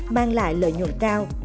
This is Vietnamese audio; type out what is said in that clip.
mang lại lợi nhuận cao